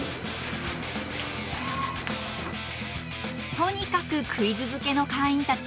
とにかくクイズ漬けの会員たち。